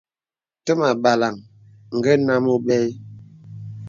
Təmà àbālaŋ ngə nám óbə̂ ï.